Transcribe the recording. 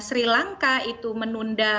sri lanka itu menunda